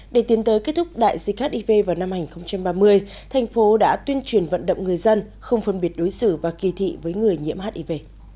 để tiến tới kết thúc đại dịch hiv vào năm hai nghìn ba mươi thành phố đã tuyên truyền vận động người dân không phân biệt đối xử và kỳ thị với người nhiễm hiv